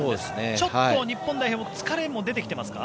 ちょっと日本代表疲れも出てきてますか？